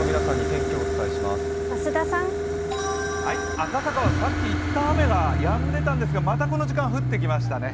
赤坂はさっき一旦雨がやんでいたんですがまたこの時間、降ってきましたね。